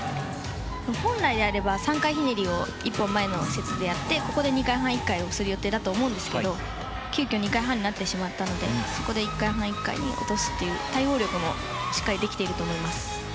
本来であれば３回ひねりを１つ前でやってここで２回半１回をする予定だと思うんですけど急きょ、２回半になってしまったのでそこで１回半に落とすという対応力もしっかりできていると思います。